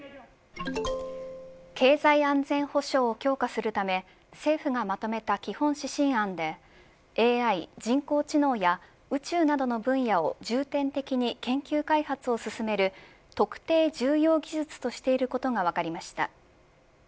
経済安全保障を強化するため政府がまとめた基本指針案でＡＩ、人工知能や宇宙などの分野を重点的に研究開発を進める特定重要技術としていることが分かりました。